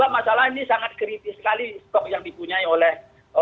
masalah ini sangat kritis sekali stok yang dipunyai oleh